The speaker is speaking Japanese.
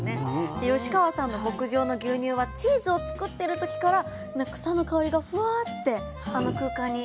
で吉川さんの牧場の牛乳はチーズを作ってる時から草の香りがフワーッてあの空間に香ってたりとか。